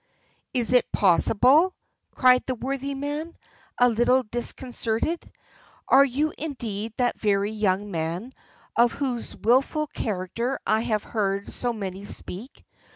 "Is it possible?" cried the worthy man, a little disconcerted; "are you indeed that very young man, of whose wilful character I have heard so many speak?